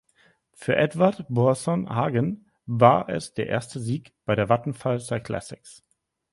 Für Edvald Boasson Hagen war es der erste Sieg bei der Vattenfall Cyclassics.